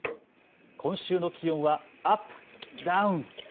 今週の気温はアップダウン。